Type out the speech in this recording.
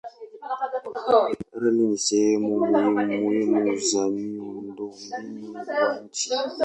Reli ni sehemu muhimu za miundombinu wa nchi.